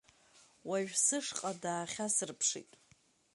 Уажә сышҟа даахьасырԥшит.